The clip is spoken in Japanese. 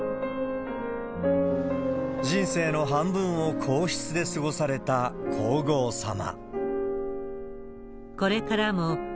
人生の半分を皇室で過ごされた皇后さま。